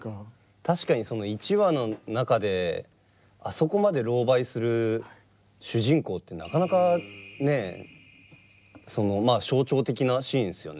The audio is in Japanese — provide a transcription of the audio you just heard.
確かにその１話の中であそこまで狼狽する主人公ってなかなかね象徴的なシーンですよね。